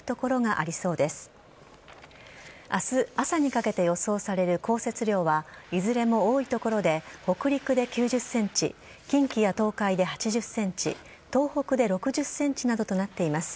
あす朝にかけて予想される降雪量はいずれも多い所で北陸で９０センチ、近畿や東海で８０センチ、東北で６０センチなどとなっています。